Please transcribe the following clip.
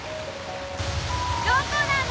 どこなの？